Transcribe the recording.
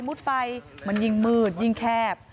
ไปมันยิ่งมืดยิ่งแคบ